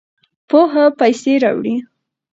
پوهه پیسې راوړي.